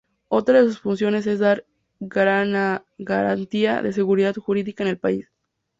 Otra de sus funciones es dar Garantía de Seguridad Jurídica en el país.